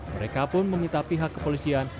mereka pun meminta pihak kepolisian